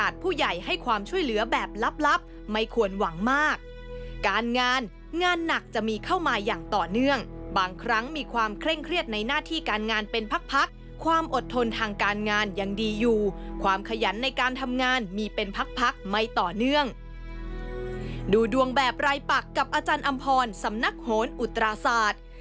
ดูดวงแบบรายปักกับอาจารย์อำพรสำนักโหนอุตราศาสตร์